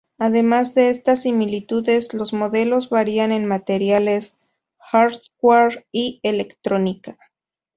Además de estas similitudes, los modelos varían en materiales, hardware y electrónica.